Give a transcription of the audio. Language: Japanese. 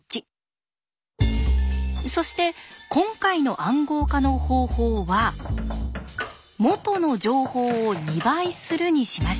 そして今回の暗号化の方法は「元の情報を２倍する」にしましょう。